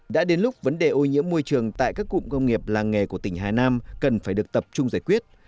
đã đến lúc vấn đề ô nhiễm môi trường tại các cụm công nghiệp làng nghề của tỉnh hà nam cần phải được tập trung giải quyết